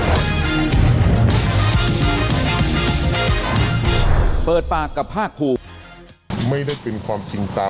อันนี้นะครับสำหรับประเด็นนี้นะครับครับครับ